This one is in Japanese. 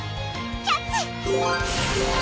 キャッチ！